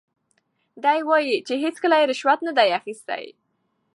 دی وایي چې هیڅکله یې رشوت نه دی اخیستی.